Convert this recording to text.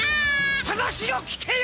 話を聞けよ！